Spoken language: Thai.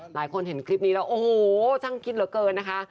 หลายคนเห็นคลิปนี้แล้วโอ้โหช่างคิดเหลือเกินนะคะ